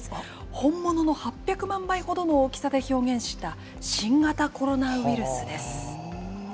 本物の８００万倍ほどの大きさで表現した、新型コロナウイルスです。